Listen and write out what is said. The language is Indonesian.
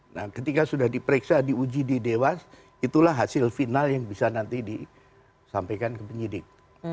nah ketika sudah diperiksa diuji di dewas itulah hasil final yang bisa nanti disampaikan ke penyidik